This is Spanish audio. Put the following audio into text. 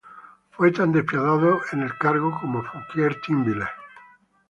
Fue tan despiadado en el cargo como Fouquier-Tinville.